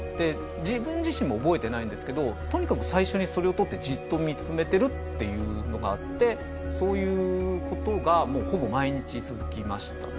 自分自身も覚えてないんですけどとにかく最初にそれを取ってじっと見つめてるっていうのがあってそういう事がほぼ毎日続きました。